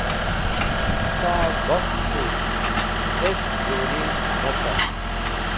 Qẽsa baf kẽs̃hũy tẽs̃h zurig̃h me car.